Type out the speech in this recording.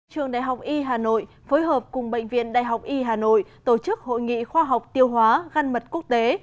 trường đại học y hà nội phối hợp cùng bệnh viện đại học y hà nội tổ chức hội nghị khoa học tiêu hóa găn mật quốc tế